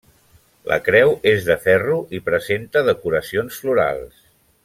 La creu és de ferro i presenta decoracions florals.